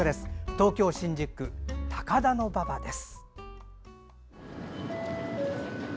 東京・新宿区高田馬場です。